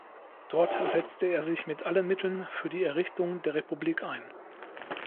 Dort setzte er sich mit allen Mitteln für die Errichtung der Republik ein.